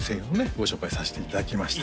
ご紹介させていただきました